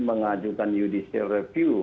mengajukan judicial review